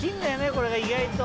これが意外と。